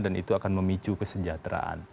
dan itu akan memicu kesejahteraan